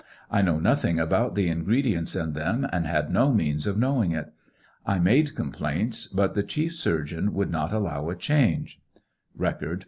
I know nothing about the ingredients in them, and had no means of knowing it. I made complaints, but the chief sur geon would not allow a change. (Record, p.